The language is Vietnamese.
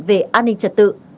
về an ninh trật tự